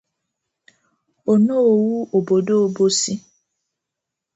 Onoowu obodo Obosi